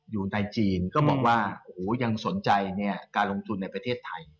อยู่ในจีนก็บอกว่าโอ้โหยังสนใจการลงทุนในประเทศไทย